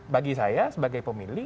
bagi saya sebagai pemilih